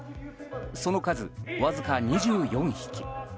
その数、わずか２４匹。